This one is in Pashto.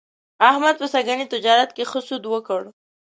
احمد په سږني تجارت کې ښه سود وکړ.